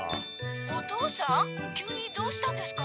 「おとうさん急にどうしたんですか？